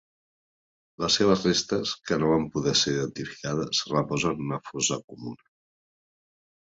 Les seves restes, que no van poder ser identificades, reposen en una fossa comuna.